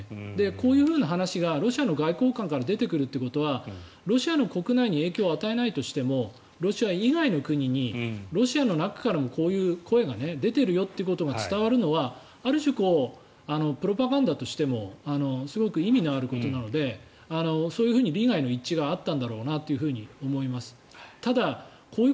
こういう話がロシアの外交官から出てくるということはロシアの国内に影響を与えないとしてもロシア以外の国にロシアの中からもこういう声が出ているよってことが伝わるのはある種、プロパガンダとしてもすごく意味のあることなので今回の侵攻でアメリカが過去最大規模のウクライナへの支援を決めました。